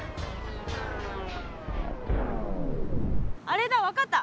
あれだ分かった。